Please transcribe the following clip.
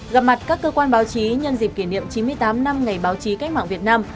gặp mặt các cơ quan báo chí nhân dịp kỷ niệm chín mươi tám năm ngày báo chí cách mạng việt nam